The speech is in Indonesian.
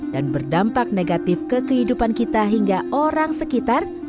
dan berdampak negatif ke kehidupan kita hingga orang sekitar